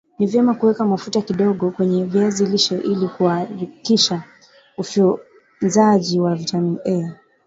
ni vyema kuweka mafuta kidogo kwenye viazi lishe ili kurahisisha ufyonzaji wa vitamini A